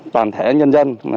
toàn thể nhân dân